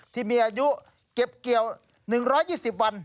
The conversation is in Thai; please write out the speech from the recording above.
ที่มีอายุเก็บเกี่ยว๑๒๐วัน